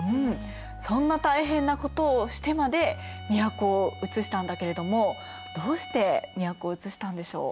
そんな大変なことをしてまで都をうつしたんだけれどもどうして都をうつしたんでしょう？